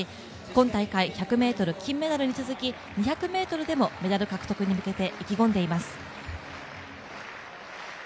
今大会１００ｍ金メダルに続き２００ｍでもメダル獲得に向けて意気込んでいます。